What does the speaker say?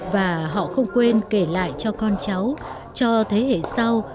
và họ không quên kể lại cho con cháu cho thế hệ sau